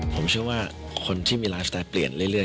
ผมเชื่อว่าคนที่มีไลฟ์สไตล์เปลี่ยนเรื่อย